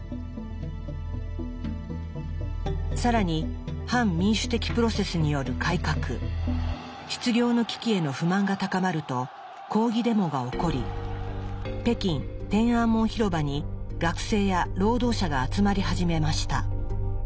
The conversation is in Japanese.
更に反民主的プロセスによる改革失業の危機への不満が高まると抗議デモが起こり北京・天安門広場に学生や労働者が集まり始めました。